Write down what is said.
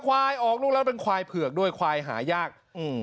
ควายออกลูกแล้วเป็นควายเผือกด้วยควายหายากอืม